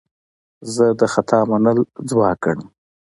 زه د خطا منل ځواک ګڼم.